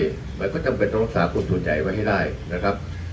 มันก็จำเป็นต้องรักษาคนส่วนใหญ่ไว้ให้ได้นะครับ